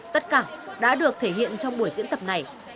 tất cả đã được thể hiện trong buổi diễn tập này